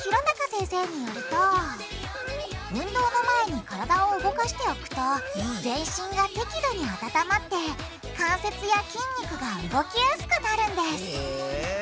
先生によると運動の前に体を動かしておくと全身が適度に温まって関節や筋肉が動きやすくなるんですへぇ。